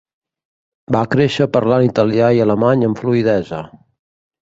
Va créixer parlant italià i alemany amb fluïdesa.